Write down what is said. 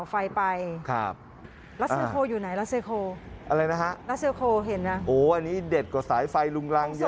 ไทยังไงสถานกอศิษย์ไทย